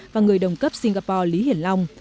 và người đồng cấp singapore lý hiển long